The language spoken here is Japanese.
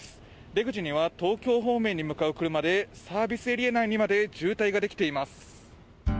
出口には東京方面に向かう車でサービスエリア内にまで渋滞ができています。